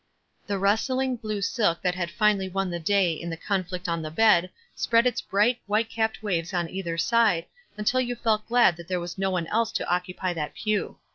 The rustling blue silk that had finally won the day in the conflict on the bed spread its bright, white capped waves on either side, until you felt glad that there was no one else to occupy that pew.